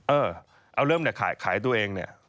เออเอาเริ่มเนี่ยขายตัวเองเนี่ย